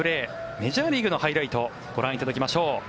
メジャーリーグのハイライトをご覧いただきましょう。